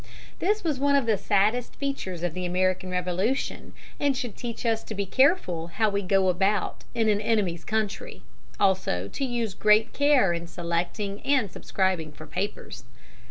This was one of the saddest features of the American Revolution, and should teach us to be careful how we go about in an enemy's country, also to use great care in selecting and subscribing for papers.